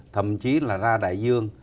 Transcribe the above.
thậm chí là ra đại dương